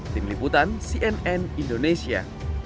tim liputan cnn indonesia